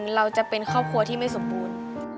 เราจะเป็นครอบครัวที่ไม่สมบูรณ์